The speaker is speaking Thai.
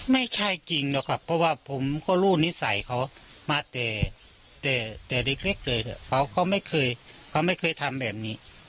ไม่ใช่จริงหรอกอ่ะเพราะว่าผมก็รู้ว่านิสัยเขามาแต่แต่เล็กเขาไม่เคยทำแบบงี้